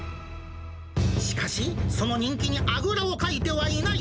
しかし、その人気にあぐらをかいてはいない。